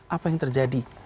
apa yang terjadi